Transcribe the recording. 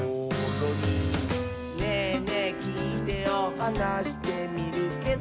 「『ねぇねぇきいてよ』はなしてみるけど」